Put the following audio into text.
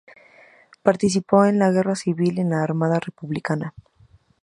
Participó en la guerra civil en la Armada republicana.